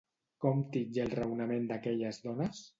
Com titlla el raonament d'aquelles dones?